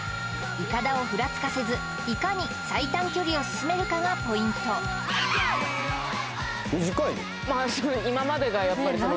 いかだをフラつかせずいかに最短距離を進めるかがポイントえ